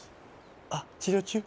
あ治療中？